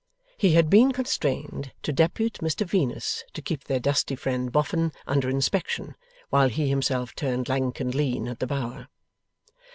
He had been constrained to depute Mr Venus to keep their dusty friend, Boffin, under inspection, while he himself turned lank and lean at the Bower.